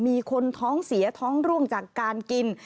มีคนท้องเสียท้องร่วงจากการกิน